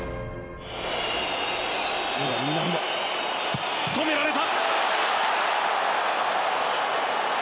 １０番、南野止められた！